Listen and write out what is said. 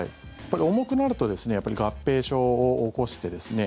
重くなると合併症を起こしてですね